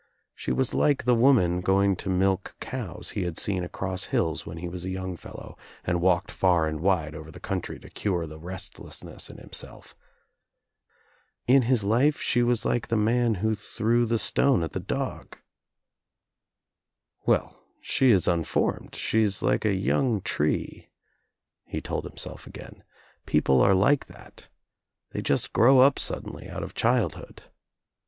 She was like the woman going to milk 128 THE TRIUMPH OF THE EGG COWS he had seen across hills when he was a young fellow and walked far and wide over the country to cure the restlessness In himself. In his life she was like the man who threw the stone at dog. "Well, she is unformed; she is like a young tree," he told himself again. "People are like that. They just grow up suddenly out of childhood.